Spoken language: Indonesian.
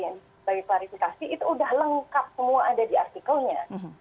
bagi klarifikasi itu udah lengkap semua ada di artikelnya